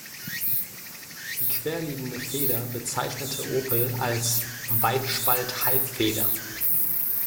Die querliegende Feder bezeichnete Opel als „Weitspalt-Halbfeder“.